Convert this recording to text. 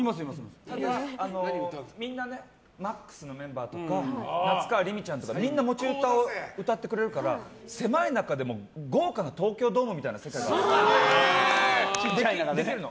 みんなＭＡＸのメンバーとか夏川りみちゃんとかみんな持ち歌を歌ってくれるから狭い中でも豪華な東京ドームみたいな世界ができるの。